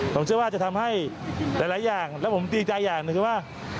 ผมเชื่อว่าจะทำให้หลายอย่างแล้วผมดีใจอย่างหนึ่งคือว่า